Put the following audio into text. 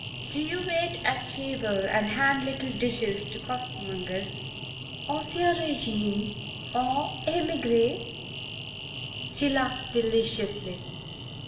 Do you wait at table and hand little dishes to coster mongers, ancien regime, en emigre?" She laughed deliciously.